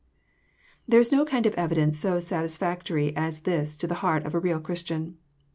There is no kind of evidence so satisfactory as this to the heart of a real Christian.